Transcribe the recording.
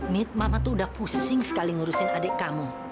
mit mama tuh udah pusing sekali ngurusin adik kamu